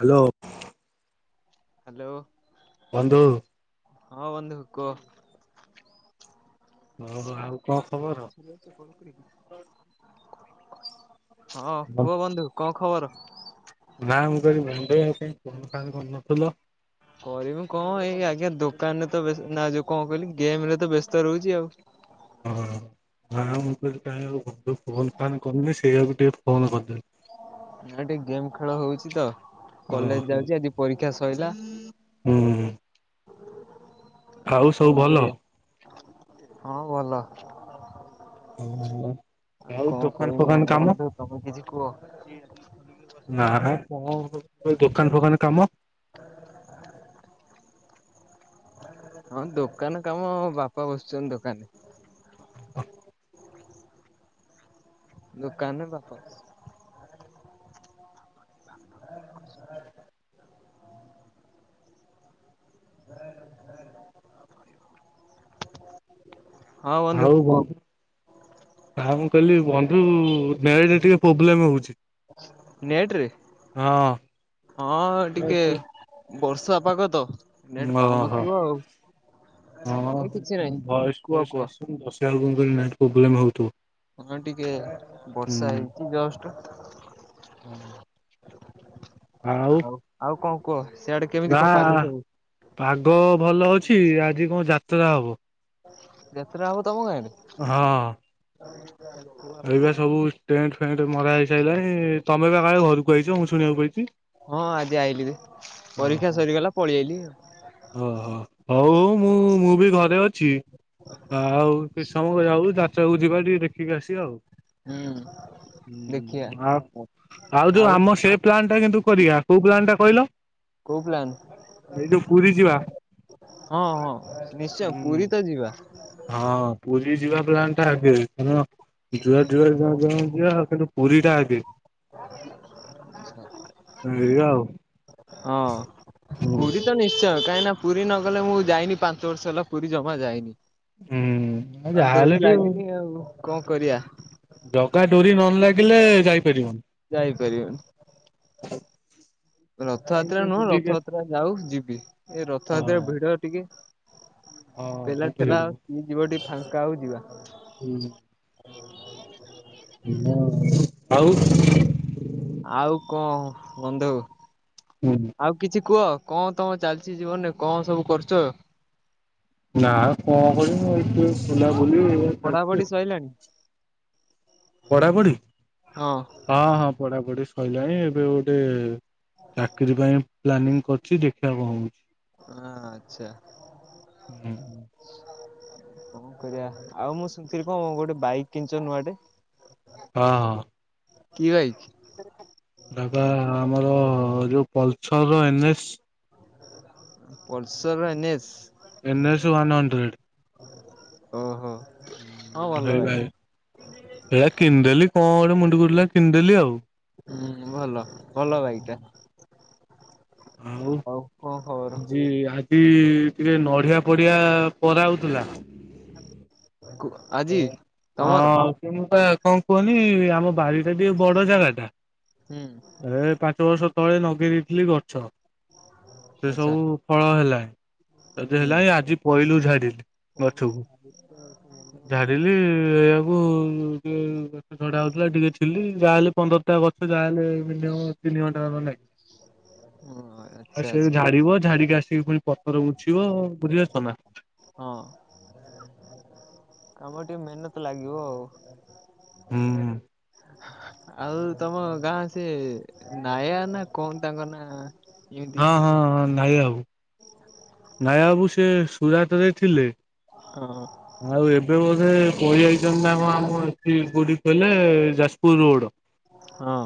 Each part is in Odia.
ହାଲୋ। ହାଲୋ। ବନ୍ଧୁ। ହଁ ବନ୍ଦୁ କୂଅ। ହ ଆଉ କଁ ଖବର? ହଁ କୁହ ବନ୍ଧୁ କଁ ଖବର? ନା ମୁ କହିଲି ଭଉ ଫୋନ୍ ଫାନ୍ କରୁ ନଥୁଲ। କରିମୁ କଁ ଏଇ ଆଜ୍ଞା ଦୋକାନ୍ ରେ ତ ବେସ୍ତ ନା ଯୋଉ କଁ କଇଲି ଗେମ୍ ରେ ତ ବ୍ୟସ୍ତ ରହୁଛି ଆଉ। ହଁ। ହଁ ମୁଁ କହିଲି କାଇଁ ଫୋନ୍ ଫାନ୍ କରିନି ସେଇଆକୁ ଟିକେ ଫୋନ କରିଦେଲି। ନା ଟିକେ ଗେମ୍ ଖେଳ ହଉଛି ତ। କଲେଜ୍ ଓହୋ ଯାଉଛି ଆଜି ପରୀକ୍ଷା ସଇଲା। ହୁଁ ଆଉ ସବୁ କଁ ଭଲ? କରିବା ହଁ ଭଲ। [inaudible] ଆଉ କଁ ଦୋକାନ କଇମି ଫୋକାନ ଏଟା କାମ ବଂଧୁ ତମେ କିଛି କୁହ। ନାହା କଁ ଦୋକାନ୍ ଫୋକାନ୍ କାମ? ହଁ ଦୋକାନ କାମ ବାପା ବସ୍ ଛନ୍ତି ଦୋକାେନ ଦୁକାନରେ ବାପା ହଁ ବନ୍ଧୁ କୁହ। ହଁ ମୁଁ କହିଲି ବନ୍ଧୁ [unintelligible] ରେ ଟିକେ ପୋବ୍ଲେମେ ହଉଛି। ନେଟ୍ ରେ ହଁ ଟିକେ ବର୍ଷା ପାଗ ତ। ନେଟ ଓହୋ ହଁ ପାଉନଥିବ ଆଉ ଏ କିଛି ନାହିଁ ଭଏସ୍ କୁହ ଫଏସ୍ କୁହ। ଆସୁନି ତ [unintelligible] ମୁ କହିଲି ନାଇଁ ପ୍ରୋବ୍ଲେମ୍ ହଉଥିବ। ହଁ ଟିକେ ବର୍ଷା ହେଇଛି ଜଷ୍ଟ। ହ। ଆଉ ଆଉ କଁ କୁହ ସେଆଡେ କେମିତି ନା କଣ ପାଗ ସବୁ। ପାଗ ଭଲ ଅଛି ଆଜି କଁ ଯାତରା ହବ। ଯେତ୍ ଟା ହବ ତମ ଗାଁଡେ। ଏବେ ସବୁ ଟେଣ୍ଟ୍ ଫେଣ୍ଟ୍ ମରା ହେଇସାଉଲାଣି ତମେ ବା କାଳେ ଘରୁ କହିଛ ମୁଁ ଶୁଣିବାକୁ ପାଇଚି। ହଁ ଆଜି ଆଇଲି ରେ ପରୀକ୍ଷା ଅହ ସରିଗଲା ପଳେଇଆଇଲି ଆଉ। ଓହୋ ହଉ-ହ ମୁଁ ମୁଁ ବି ଘ ଛି ଆଉ କିଛ୍ ସମୟ ଯାଉ ଯାତ୍ରାକୁ ଯିବା ଟିକେ ଦେଖିକି ଆସିବା ଆଉ। ହୁଁ ହଁ ଦେଖିଆ ହଁ ଆ ଆଉ ଯୋଉ ଆମ ସେ ପ୍ଲାଣ୍ଟ୍ କିନ୍ତୁ କରିବା କୋଉ ପ୍ଲାନ୍ ଟା କହିଲ? କୋଉ ପ୍ଲାନ୍? ଏଇ ଯୋଉ ପୁରୀ ଯିବା ହଁ ହଁ ନିଶ୍ଚୟ ହୁଁ ପୁରୀ ତ ଯିବା। ହଁ ପୁରୀ ଯିବା ପ୍ଲାନ୍ ଟା ଆଗେ ହଁ ଯୁଆ ଯା-ଯା-ଯା-ଯା-ଯା କିନ୍ତୁ ପୁରୀ ଟା ଆଗେ ଏଇଆ ଆଉ। ହଁ ହୁଁ। ପୁରୀ ତ ନିଶ୍ଚୟ କାହିଁକି ନା ପୁରୀ ନଗଲେ ମୁଁ ଯାଇନି ପାଞ୍ଚ ବର୍ଷ ହେଲା ପୁରୀ ଜମା ଯାଇନି। ହୁଁ ଆଉ ଯାହାହେଲେ ଡୋରି ଟିକେ ଲାଗିନି ଆଉ କଣ କରିବା। ଜଗା ଡୋରି ନ ଲାଗିଲେ ଯାଇପାରିବନି। ଯାଇପାରିବନି। ରଥଯାତ୍ରା ଟିକେ ନୁହଁ ବୁଲିକି ରଥଯାତ୍ରା ଯାଉ ଯିବି ଏ ରଥଯାତ୍ରା ଆସ ଭିଡ ଟିକେ ହଁ ହଁ ପେଲାଠେଲା ବୁଝିଲି। ଆଉ କିଏ ଯିବ ଟିକେ ଫାଙ୍କା ଆଉ ଯିବା। ହ। ଆଉ କଣ ବନ୍ଧୁ? ଆଉ କିଛି କୁହ କଣ ତମ ଚାଲିଛି ଜୀବନରେ କଣ ସବୁ କରୁଛ। ନା କଣ କରିବୁ ଏଇଠି ବୁଲାବୁଲି ଏଇଆ ଚାଲିଛି ପଢାପଢି ଆଉ। ସରିଲାଣି? ପଢାପଢି ହଁ ହଁ ହଁ ପଢାପଢି ସରିଲାଣି ଏବେ ଗୋଟେ ଚାକିରୀ ପାଇଁ ପ୍ଲାନିଂ କରୁଛି ଦେଖିବା କଣ ହଉଛି। ହଁ ଆଛା। ହୁଁ କଣ କରିବା ଆଉ ମୁଁ ଶୁଣିଥିଲି କଣ ଗୋଟେ ବାଇକ୍ କିଣିଛ ନୂଆଟେ? ହଁ ହଁ। କି ବାଇକ୍? ବାବା ଆମର ଯୋଉ ପଲସର ଏନସ୍। ପଲସର ର ଏନ୍ଏସ୍? ଏନ୍ ଏସ ର ୱନ ହଣ୍ଡ୍ରେଡ଼୍। ଓ ହୋ। ହଁ ହେ ଭାଇ। ଏଟା କିଣିଦେଲି କଣ ଗୋଟେ ମୁଣ୍ଡକୁ ଉଠିଲା କିଣିଦେଲି ଆଉ। ହୁଁ ଭଲ ଭଲ ବାଇକ୍ ଟା। ଆଉ କଣ ଖବର? ଆଜି ଆ ଟିକେ ନଡିିଆ ପଡିଆ ପରା ହଉଥିଲା। କୁ ଆଜି ତମର ହଁ। ହଣ କୁହନି ଆମ ବାଡି ଟା ଟିକେ ବଡ ଜାଗା ଟା ହୁଁ ଏ ପାଞ୍ଚ ବର୍ଷ ତଳେ ନଗେଇ ଦେଇଥିଲି ଗଛ। ସେ ଆଚ୍ଛା ସବୁ ଫଳ ହେଲାଣି ଯଦି ହେଲାଣି ଆଜି ପଇଲୁ ଝାଡ଼ିଲି। କ ସାଧ ଝାଡିଲି ସେଆକୁ ଟିକେ ଗଛ ଝଡା ହଉଥିଲା ଟିକେଥିଲି ଯାହାହେଲେ ପନ୍ଦରଟା ଗଛ ଯାହାହେଲେ ମିନିମମ ତିନି ଘଣ୍ଟାଖଣ୍ଡେ ଓ ଲାଗିବ ଆଚ୍ଛା ସେ ଆଚ୍ଛା ଝାଡିବ ଝାଡିକି ଆସିବ ପୁଣି ପତର ଉଛିବ ବୁଝିପାରୁଛନା। ହଁ କାମ ଟିକେ ମେହେନତ ଲାଗିବ ଆଉ। ହୁଁ। ଆଉ ତମ ଗାଁ ସେ ନାୟା ନା କଣ ତାଙ୍କ ନା? ହଁ ହଁ ହଁ ନାୟାବାବୁ ଆଉ ନାୟା ବାବୁ ସେ ସୁରାଟ ରେ ଥିଲେ ହଁ ଆଉ ଏବେ ବୋଧେ ପଳେଇଆଇଛନ୍ତି ନାମ ଆମ ଏଠିକି କୋଉଠି କି କହିଲେ ଯାଜପୁର ରୋଡ ହଁ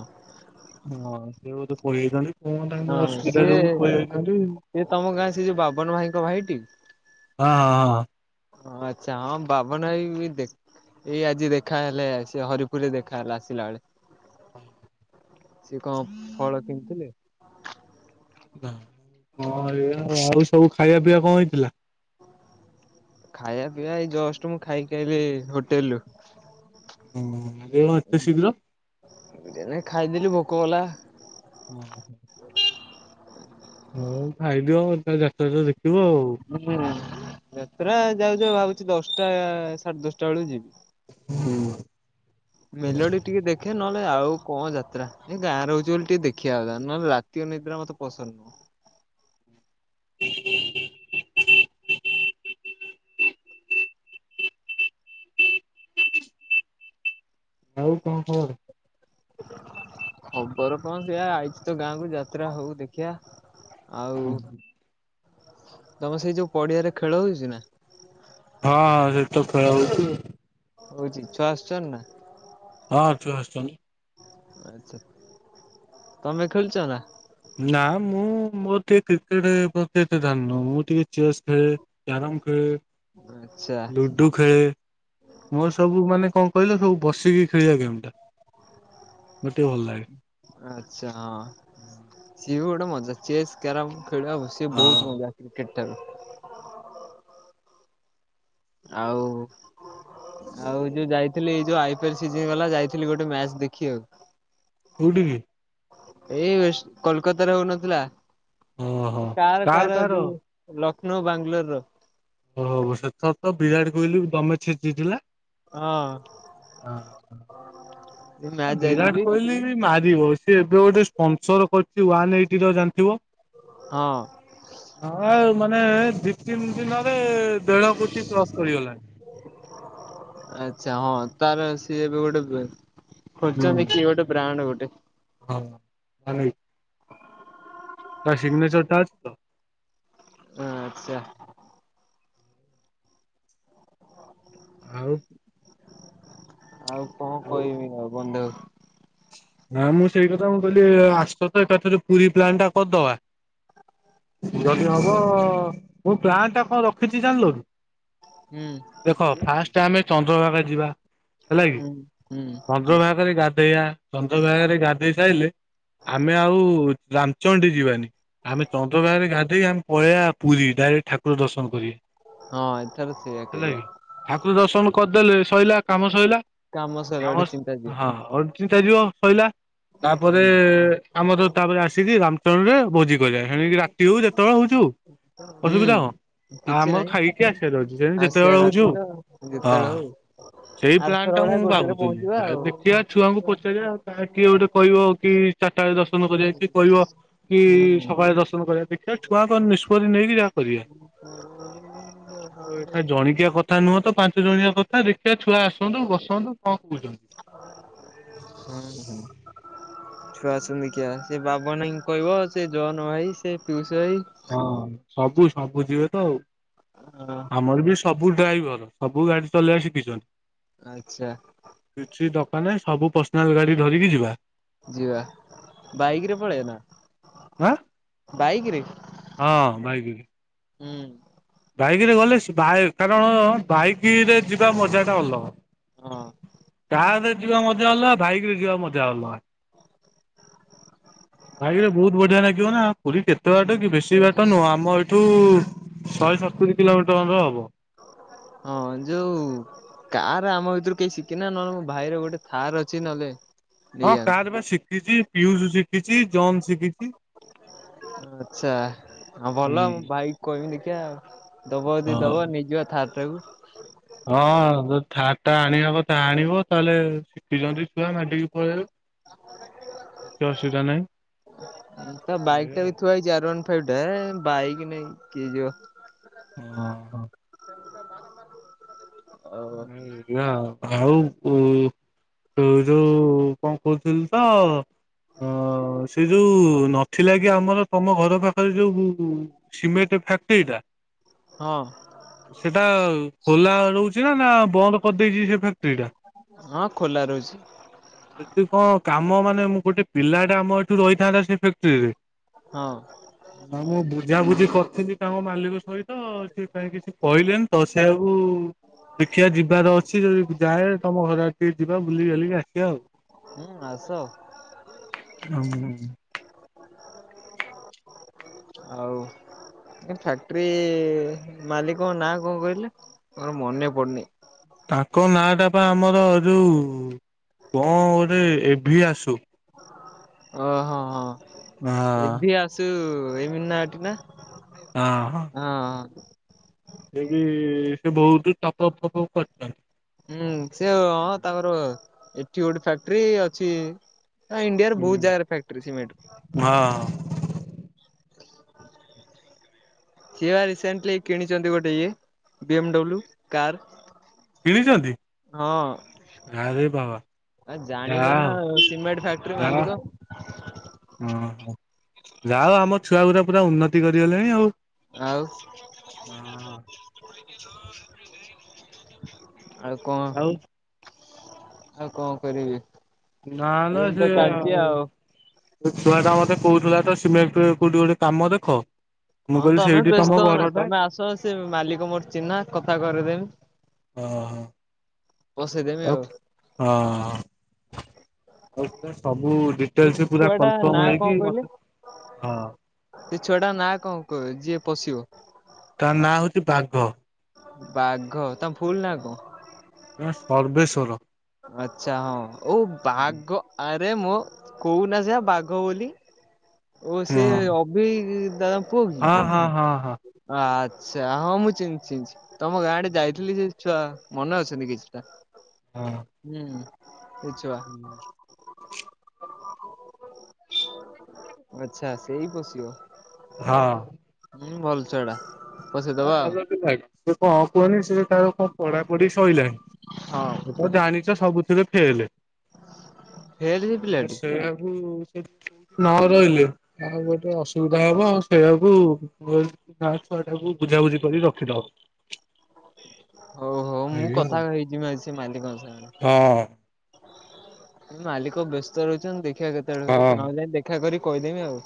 ହଁ ସେ ବୋଧେ ପଳେଇଆଇଛନ୍ତି। ହଁ ସିଏ ସିଏ ତମ ଗାଁ ସେ ଯୋଉ ବାବନ ଭାଇଙ୍କ ଭାଇଟି ହଁଁ ହଁ। ଆଚ୍ଛା ହଁ ବାବନ ଭାଇ ବି ଦେଖ ଏଇ ଆଜି ଦେଖାହେଲେ ସେ ହରିପୁରରେ ଦେଖାହେଲା ଆସିଲା ବେଳେ ସିଏ କଣ ଫଳ କିଣିଥିଲେ କଣ ଏୟା ଆଉ ସବୁ ଖାଇବା ପିଇବା କଣ ହେଇଥିଲା? ଖାଇବା ପିଇବା ଏଇ ଜଷ୍ଟ ମୁଁ ଖାଇ ଖାଇଲି ହୋଟେଲରୁୁ ହଁ ଆଜି କଣ ଏତେ ଶୀଘ୍ର। ଏଣେ ଖାଇଦେଲି ଭୋକ କଲା ହୁଁ ହ [unintelligible] ହଁ ଖାଇଦିଅ ଜାତ୍ରା ତ ଦେଖିବ ଆଉ। ହୁଁ ଯାତ୍ରା ଯାଉଛ ଭାବୁଛି ଦଶଟା ସାଢେ ଦଶଟା ବେଳକୁ ଯିବି। ହୁଁ। ମେଲୋଡି ଟିକେ ଦେଖେ ନ ଆଉ କଣ ଯାତ୍ରା ଏ ଗାଁରେ ହହୁଛି ବୋଲି ଟିକେ ଦେଖିବା କଥା ନହେଲେ ରାତି ଅନିଦ୍ରା ମତେ ପସନ୍ଦ ନୁହଁ। ହୁଁ [unintelligible] [unintelligible] ଆଉ କଣ ଖବର। ଖବର କଣ ସେଆ ଆଇଛି ତ ଗାଁକୁ ଯାତ୍ରା ହଉ ଦେଖିଆ। ଆଉ ହୁ ହ [unintelligible] ତମ ସେଇ ଯୋଉ ପଡିଆରେ ଖେଳ ହଉଛି ନା। ହଁ ହଁ ସେଇଟି ତ ଖେଳ ହଉଛି। ହଉଛି ଚଛୁ ଆସଛନ୍ତି ନା। ହଁ ତୁ ଆସ୍ଚନ୍ତି। ଆଛା ତମେ ଖେଳୁଛନା। ନା ମୁଁ ମୋର ଟିକେ କ୍ରିକେଟ ପ୍ରତି ଏତେ ଧ୍ୟାନ ନୁହଁ ମୁଁ ଟିକେ ଚେସ୍ ଖେଳେ ଧାନ। ମୁଁ ଖେଳେ ଆଚ୍ଛା ଲୁଡୁ ଖେଳେ ମୋର ସବୁ ମାନେ କଣ କହିଲ ସବୁ ବସିକି ଖେଳିବା ଗେମ୍ ଟା। ମତେ ଟିକେ ଭଲ ଲାଗେ। ଆଛା ହଁ ସିଏ ବି ଗୋଟେ ମଜା। ଚେସ୍ କ୍ୟାରମ୍ ଖେଳିବା ସେ ହଁ ବହୁତ ମଜା କ୍ରିକେଟ ଠାରୁ। ଆଉ ଆଉ ଯୋଉ ଯାଇଥିଲି ଯୋଉ ଆଇ ଗ ଯାଇଥିଲି ଗୋଟେ ମଚ ଦେଖି ଆଉ [unintelligible] କୋଉଠିକି? ଏଇ ୱେଷ୍ଟ୍ କୋଲକତାରେ ହୋଉନଥିଲା। କାର କାର ଯୋଉ ଲକ୍ଷ୍ନୌ ବାଙ୍ଗାଲୋର ର। ଓ ହୋ ସେଥର ତ ବିରାଟ କୋହଲି ଦମେ ଛିଚିଥିଲା। ହଁ ହଁ ମ୍ୟାଚ୍ ବିରାଟ ଯାଇଥିଲି କୋହଲି ମାରିବ ସିଏ ଏବେ ଗୋଟେ ସ୍ପଂସର କରିଛି ୱାନ୍ ଏଇଟିତ ଜାଣିଥିବ। ହଁ ଆଁଉ ମାନେ ଦି ତିନି ଦିନରେ ତେର କୋଟି କ୍ରସ୍ କରିଗଲାଣି। ଆଚ୍ଛା ହଁ ତାର ସିଏ ଏବେ ଗୋଟେ ହୁଁ ଖୋଜନ୍ତି କିଏ ଗୋଟେ ବ୍ରାଣ୍ଡ ଗୋଟେ। ହଁ ଭ [unintelligible] [unintelligible] ତା ଶିଗନେଚରଟା ଅଛି ତ। ହଁ ଆଛା। ଆଉ। ଆଉ କଣ ଆଉ କହିବି ଆଉ ବନ୍ଦେ ନା ମୁଁ ସେଇ କଥା ମୁଁ କହିଲି ଆସତ ଏକାଥରେ ପୁରୀ ପ୍ଲାନ୍ ଟା କରଦବା। ପୁରୀ ଯଦି ହବ ମୁଁ ପ୍ଲାନ୍ ଟା କଣ ରଖିଛି ଜାଣଲ କି। ହୁଁ ଦେଖ ଫାଷ୍ଟ ଆମେ ଚନ୍ଦ୍ରଭାଗା ଯିବା। ହେଲା କି ହୁଁ ହୁଁ ଚନ୍ଦ୍ରଭାଗା ରେ ଗାଧେଇବା। ଚନ୍ଦ୍ରଭାଗାରେ ଗାଧେଇ ସାଇଲେ ଆମେ ଆଉ ରାମ୍ଚଣ୍ଡୀ ଯିବାନି ଆମେ ଚନ୍ଦ୍ରଭାଗାରେ ଗାଧେଇ ଆମେ ପଳେଇବା ପୁରୀ ଡାଇରେକ୍ଟ ଠାକୁର ଦର୍ଶନ କରି। ହଁ ଏଥର ସେଇଆ ହେଲା କରିବା କି ଠାକୁର ଦର୍ଶନ କରିଦେଲେ ସଇଲା କାମ ସଇଲା। କାମ ସଇଲା ଆମ ଗୋଟେ ଚିନ୍ତା ଯିବ ହଁ ଅଚିନ୍ତା ଯିବ ସଇଲା। ହୁଁ ତାପରେ ଆମର ତାପରେ ଆସିକି ରାମଚରଣ ରେ ଭୋଜି କରିବା ସେଣିକି ରାତି ହଉ ଯେତେବେଳେ ହଉ। ଚୁ ହୁଁ ଆ କିଛି ଆମର ନାହିଁ ଖାଇକି ଆସିବାର ଅଛି ସେଣିକି ଯେତେବେଳେ ଆସିବାର ହଉଛୁ ଅଛି ହଉ ତ ଯେତେବେଳେ ହଁ ହଉ ସେଇ ପ୍ଲାନ୍ ଆରଥର ତ ଭଳିଆ ମୁଁ ଗୋଟେରେ ଭାବୁଥିଲି ପହଞ୍ଚିବା ଆଉ ଦେଖିବା ଛୁଆଙ୍କୁ ପଚାରିବା କାଳେ କିଏ ଗୋଟେ କହିବ କି ଚାରିଟା ବେଳେ ଦର୍ଶନ କରିବା କି କହିବ କି ହୁଁ ସକାଳେ ଦର୍ଶନ କରିବା ଦେଖିବା ଛୁଆଙ୍କ ନିଷ୍ପତ୍ତି ନେଇକି ଯାହା କରିଆ। ଜଣିକିଆ କଥା ନୁହଁ ତ ପାଞ୍ଚ ଜଣିଆ କଥା ଦେଖିବା ଛୁଆ ଆସନ୍ତୁ ବସନ୍ତୁ କଣ କହୁଛନ୍ତି? [unintelligible] ଛୁଆ ଆସନ୍ତୁ ଦେଖିଆ ସେ ବାବନା ଭାଇଙ୍କି କହିବ, ସେ ଜନ୍ ଭାଇ, ସେ ପିଉସୀ ହଁ ସବୁ ସବୁ ଯିବେ ତ ଆଉ ଭାଇ ଆମର ବି ସବୁ ଡ୍ରାଇଭର ସବୁ ଗାଡି ଚଲେଇବା ଶିଖିଛି। ଆଚ୍ଛା। ମାନେ ସବୁ ପର୍ସନାଲ୍ ଗାଡ଼ି ଧରିକି ଯିବା ଯିବା ବାଇକ ରେ ପଳେଇ ନା ଆଁ ବାଇକରେ ହଁ ଭାଇ ବି ହୁଁ। ବାଇକରେ ଗଲେ ବାଇ କାରଣ ବାଇକରେ ଯିବା ମଜା ଟା ଅଲଗ ହଁ। କାରରେ ଯିବା ମଜା ଅଲଗା ବାଇକ୍ ରେ ଯିବା ମଜା ଅଲଗା। ଭାଇରେ ବହୁତ ବଢିଆ ନାଗିବ ନା ପୁରୀ କେତେ ବାଟ କି? ବେଶୀ ବାଟ ନୁହଁ ଆମ ଏଇଠି ରୁ ଶହେ ସତୁରି କିଲୋମିଟର ଖଣ୍ଡେ ହବ। ହଁ ଯୋଉ କାର ଆମ ଭିତରୁ କେହି ଶିଖିନା ନହେଲେ ମୋ ଭାଇର ଗୋଟେ ଥାର ଅଛି ନହେଲେ। ହଁ ନେଇଯାଆନ୍ତୁ କାର ବା ଶିଖିଛି ପିୟୁଶୁ ଶିଖିଛି ଜନ୍ ଶିଖି ଆଚ୍ଛା ଆଉ ଭଲ ଆଉ ମୁଁ ହଁ। ଭାଇକି କହିମି ଦେଖିବା ଆଉ। ଦବ ଯଦି ଦବ ନେଇଯିବା ଥାର ଟାକୁ। ହଁ ଯଦି ଥାର୍ ଟା ଆଣି ହବ ତ ଆଣିବ ତାହେଲେ ଶିଖିଛନ୍ତି ଛୁଆ ମାଡିକି ପଳେଇବେ। କିଛି ଅସୁବିଧା ନାହିଁ ତା ବାଇକ୍ ଟା ଏଇଆ ବି ଥୁଆହେଇଛି ଆର୍ ୱାନ୍ [unintelligible] ବାଇକି ନେଇ କିଏ ଯିବ? ଅ ହୋ। ଏଇୟା ଆଉ। ଆଉ ଉ ଉ ଯୋଉ କଣ କହୁଥିଲି ତ ହଁ। ସେ ଯୋଉ ନଥିଲା କି ଆମର ତମ ଘର ପାଖରେ ଯୋଉ ସିମେଣ୍ଟ୍ ଫ୍ୟାକ୍ଟ୍ରିଟା ହଁ ସେଟା ଖୋଲା ରହୁଚି ନା ନା ବନ୍ଦ କରିଦେଇଛି ସେ ଫା ସ୍ତ୍ରୀ ଟା ହଁ ଖୋଲା ରହୁଛି ଏଥିରୁ କଣ କାମ ମା ମୁଁ ଗୋଟେ ପିଲା ଟା ଆମ ଏଠୁ ରହିଥାନ୍ତା ସେ ଫେକ୍ଟ୍ରିରେ। ହଁ ନା ମୁଁ ବୁଝାବୁଝି କରିଥିଲି ତାଙ୍କ ମାଲିକ ସହିତ ସେ କାଇଁ କିଛି କହିଲେନି ତ ସେୟାକୁ ଦେଖିଆ ଯିବାର ଅଛି ଯଦି ଯାଏ ତମ ଘର ଆଡେ ଟିକେ ଯିବା ବୁଲିକି ବାଲିକି ଆସିବା ଆଉ। ହୁଁ ଆସ। ହୁଁ। [inaudible] ଫାକ୍ଟ୍ରି ମାଲିକ ନା କଣ କହିଲେ ମୋର ମନେ ପଡୁନି। ତାଙ୍କ ନାଁ ଟା ପା ଆମର ଯୋଉ କଣ ଗୋଟେ ଏ ଭି ଆସୁ। ଓହୋ ହଁ ଏଭି ଆସୁ ଏଇ ମନାଟି ନା? ହଁ ହଁ। ଦେଇକି ସେ ବହୁତ ଟପପ ଫପପ ହୁଁ ସେ ହଁ ତାଙ୍କର ଏଠି ଗୋଟେ ଫ୍ୟାକ୍ଟ୍ରି ଅଛି ଇଣ୍ଡିଆରେ ବହୁତ୍ ଜାଗାରେ ଫ୍ୟାକ୍ଟ୍ରି ସିମେଣ୍ଟ ର ହଁ ସିଏ ବା ରିସେଣ୍ଟ୍ଲି କିଣିଛନ୍ତି ଗୋଟେ ଇଏ ବି ଏମ୍ ଡବ୍ଲୁ କାର୍। କିଣିଛନ୍ତି ଆରେ ବାବା। ଆ ଯାହା ଜାଣିିପାରୁ ନା ହଉ ସିମେଣ୍ଟ ଫ୍ୟାଟ୍ରି ମାଲିକ। ଓ ହୋ ଯାହଉ ଆମ ଛୁଆ ଗୁଡା ପୁରା ଉନ୍ନତି କରିଗଲେଣି ଆଉ ଆଉ ଆଉ କଣ ଆଉ ଆଉ କଣ କରିବି। ନା ନା ଏମିତି ତ ସେ ଚାଲିଛି ଆଉ ସେ ଛୁଆଟା ମତେ କହୁଉଥିଲା ତ ସିମେଣ୍ଟ କୋଉଠି ଗୋଟେ କାମ ଦେଖ। ମୁଁ ହଁ କହିଲି ତମେ ସେଇଠି ତମ ବ୍ୟସ୍ତ ହ ନା ଘରଟା। ତମେ ଆସ ସେ ମାଲିକ ମୋର ଚିହ୍ନା କଥା କରେଇଦେବି। ହଁ ହ ଆଉ ହଁ ଆଉ ତୁମେ ସବୁ ଡିଟେଲସ୍ ପୁରା ଛୁଆ ଟା ନାଁ କନଫ୍ରମ କଣ ହେଇକି କହିଲେ? ମତେ ହଁ ସେ ଛୁଆଟା ନା କଣ କହ ଯିଏ ପଶିବ? ତାର ନାଁ ହଉଛି ବାଘ। ବାଘ ତା ଫୁଲ ନା କଣ? ପରର୍ବେଶ୍ୱର। ଆଛା ହଁ ଓ ବାଘ ଆ ମୋ କଉନା ସେୟା ବାଘ ବୋଲି। ଓ ସେ ହଁ ଅଭି ଦାଦା ଉଁ ପୁଅ କି? ହଁ ହଁ ହଁ ହଁ ଆଛା ହଁ ମୁଁ ଚିହ୍ନିଚି ଚି ତମ ଗାଁ ଆଡ଼େ ଯାଇଥିଲି ସେ ଛୁଆ ମନେ ଅଛନ୍ତି କିଛିଟା। ହୁଁ। ସେ ଛୁଆ ହୁଁ। ଆଛା ସେଇ ପଶିବ। ହଁ। ହୁଁ ଭଲ ଛୁଆ ଟା। ହଁ ପସେଇଦବା ଆଉ ଭଲ ପିଲାଟା ସେ କଣ କୁହନି ସେ ତାର କଣ ପଢାପଢି ସଇଲାଣି। ହଁ ସେ ତ ଜାଣିଛ ସବୁଥିରେ ଫେଲେ। ଫେଲ୍ ସେ ଆ ପିଲାଟି। ସେୟାକୁ ସେ ନ ରହିଲେ ଆଉ ଗୋଟେ ଅସୁବିଧା ହବ ଆ ସେଇଆକୁ। [unintelligible] ଛୁଆଟାକୁ ବୁଝାବୁଝି କରି ରଖିଦବା। ହଉ ହଉ ମୁଁ କଥା ହେଇଯିବି ଆଜି ସେ ମାଲିକଙ୍କ ଆଉ ସାଙ୍ଗରେ। ମାଲିକ ବ୍ୟସ୍ତ ରହୁଛନ୍ତି ଦେଖିବା କେତେବେଳେ ହଁ ହଁ। ନହେଲେ ଦେଖା କରି କହିଦେମି ଆଉ।